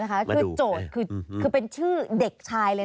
คือโจทย์คือเป็นชื่อเด็กชายเลย